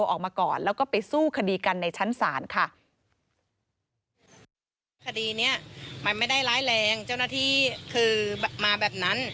ออกมาก่อนแล้วก็ไปสู้คดีกันในชั้นศาลค่ะ